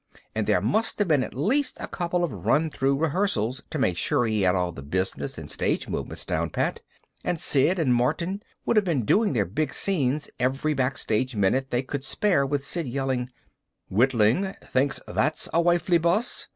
And there must have been at least a couple of run through rehearsals to make sure he had all the business and stage movements down pat, and Sid and Martin would have been doing their big scenes every backstage minute they could spare with Sid yelling, "Witling! Think'st that's a wifely buss?"